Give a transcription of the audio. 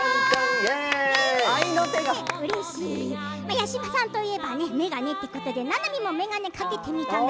八嶋さんといえば眼鏡ということでななみも眼鏡を掛けてきたよ。